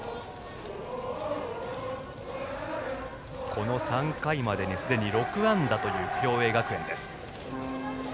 この３回までですでに６安打という共栄学園。